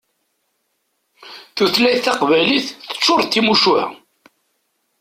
Tutlayt taqbaylit teččur d timucuha.